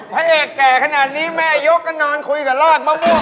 พวกให้แก่ขนาดนี้แม่ยกก็นอนคุยกับราวักปะม่วงหมดแล้ว